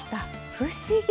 不思議！